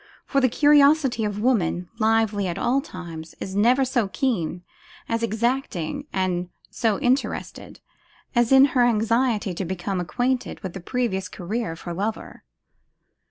For the curiosity of woman, lively at all times, is never so keen, so exacting, and so interested, as in her anxiety to become acquainted with the previous career of her lover.